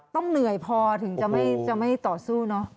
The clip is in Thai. ต้องเหนื่อยพอถึงจะไม่ต่อสู้เนอะ